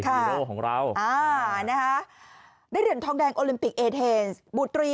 ฮีโร่ของเราอ่านะคะได้เหรียญทองแดงโอลิมปิกเอเทนส์บุรี